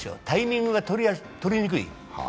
タイミングがとりにくい。